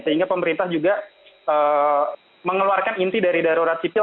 sehingga pemerintah juga mengeluarkan inti dari darurat sipil